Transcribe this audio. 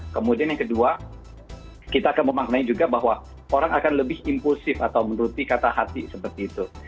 kemudian yang kedua kita akan memaknai juga bahwa orang akan lebih impulsif atau menuruti kata hati seperti itu